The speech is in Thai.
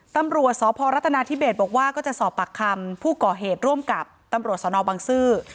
ตำรวจสพรัฐนาธิเบศบอกว่าก็จะสอบปากคำผู้ก่อเหตุร่วมกับตำรวจสนบังซื้อ